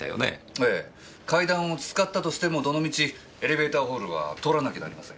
ええ階段を使ったとしてもどのみちエレベーターホールは通らなきゃなりません。